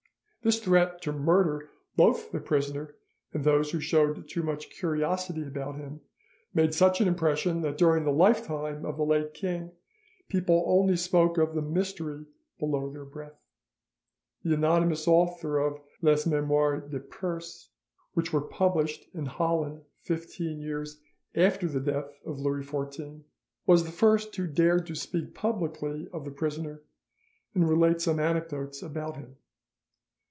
This threat to murder both the prisoner and those who showed too much curiosity about him made such an impression, that during the lifetime of the late king people only spoke of the mystery below their breath. The anonymous author of 'Les Memoires de Perse', which were published in Holland fifteen years after the death of Louis XIV, was the first who dared to speak publicly of the prisoner and relate some anecdotes about him.